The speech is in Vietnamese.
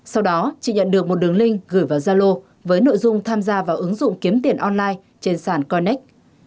sau đó chỉ nhận được một đường link gửi vào gia lô với nội dung tham gia vào ứng dụng kiếm tiền online trên sản coinex